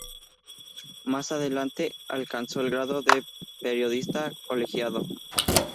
Más adelante, alcanzó el grado de periodista colegiado.